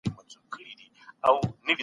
اسلام یو کامل او بشپړ دین دی.